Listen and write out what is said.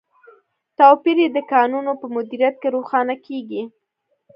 توپیر یې د کانونو په مدیریت کې روښانه کیږي.